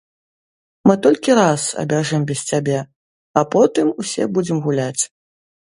Мы толькі раз абяжым без цябе, а потым усе будзем гуляць.